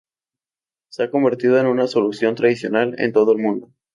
Se ha convertido en una solución tradicional en todo el mundo.